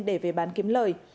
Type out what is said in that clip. để về bán kiếm lời